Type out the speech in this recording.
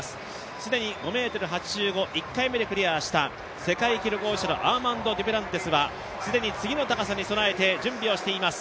既に５ｍ８５、１回目でクリアした世界記録保持者のアーマンド・デュプランティスは既に次の高さに備えて準備をしています。